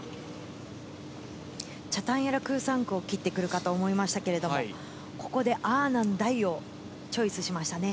チャタンヤラクーサンクーを切ってくるかと思いましたけど、ここでアーナンダイをチョイスしましたね。